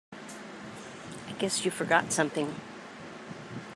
I guess you forgot something.